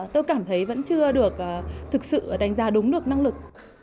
tôi cảm thấy vẫn chưa được thực sự đánh giá đúng được năng lực